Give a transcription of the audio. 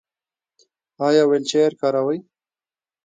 ایا ویلچیر کاروئ؟